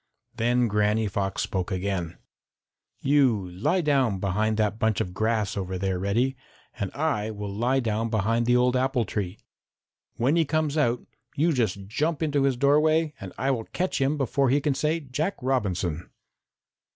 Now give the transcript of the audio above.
Then Granny Fox spoke again: "You lie down behind that bunch of grass over there, Reddy, and I will lie down behind the old apple tree. When he comes out, you just jump into his doorway and I will catch him before he can say Jack Robinson."